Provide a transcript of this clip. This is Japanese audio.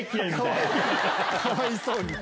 かわいそうに。